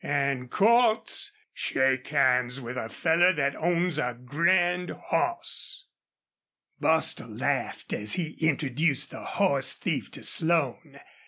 An', Cordts, shake hands with a feller thet owns a grand hoss!" Bostil laughed as he introduced the horse thief to Slone.